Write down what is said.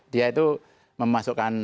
dia itu memasukkan